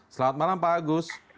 selamat malam pak agus